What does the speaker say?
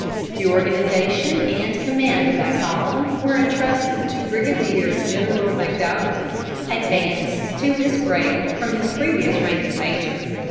The organization and command of that column were intrusted to Brigadier General McDowell, advanced to this grade from his previous rank of major.